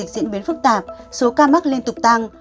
trong thời gian diễn biến phức tạp số ca mắc liên tục tăng